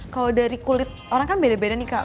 kalau dari kulit orang kan beda beda nih kak